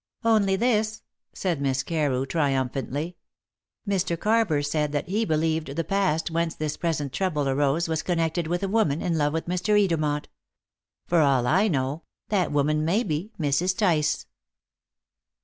"Only this," said Miss Carew triumphantly; "Mr. Carver said that he believed the past whence this present trouble arose was connected with a woman in love with Mr. Edermont. For all I know, that woman may be Mrs. Tice."